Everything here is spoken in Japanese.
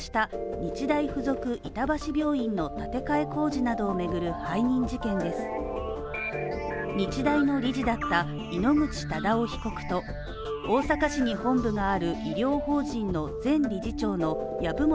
日大の理事だった井ノ口忠男被告と大阪市に本部がある医療法人の前理事長の籔本